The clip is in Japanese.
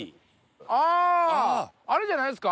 ああれじゃないですか？